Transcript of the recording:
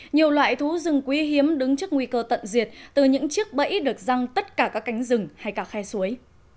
nhiều loại thú rừng quý hiếm đứng trước nguy cơ tận diệt từ những chiếc bẫy được răng tất cả các cánh rừng hay cả khe suối